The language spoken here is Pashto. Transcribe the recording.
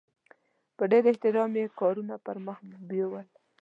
په ډېر احترام یې کارونه پرمخ بیول.